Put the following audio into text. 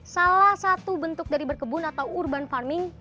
salah satu bentuk dari berkebun atau urban farming